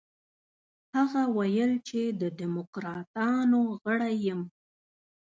هغه وویل چې د دموکراتانو غړی یم.